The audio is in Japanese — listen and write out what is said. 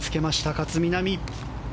勝みなみ。